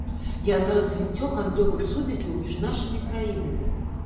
Я за развіццё гандлёвых сувязяў між нашымі краінамі.